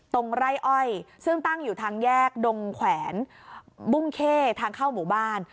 ไร่อ้อยซึ่งตั้งอยู่ทางแยกดงแขวนบุ้งเข้ทางเข้าหมู่บ้าน